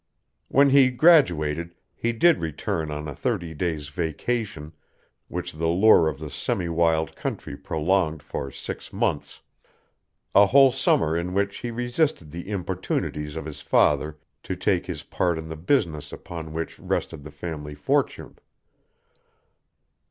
When he graduated he did return on a thirty days' vacation, which the lure of the semi wild country prolonged for six months, a whole summer in which he resisted the importunities of his father to take his part in the business upon which rested the family fortune.